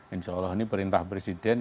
insya allah ini perintah presiden